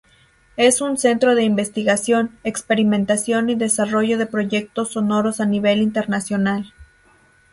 Es un centro de investigación, experimentación y desarrollo de proyectos sonoros a nivel internacional.